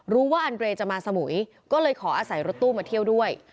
อันเรย์จะมาสมุยก็เลยขออาศัยรถตู้มาเที่ยวด้วย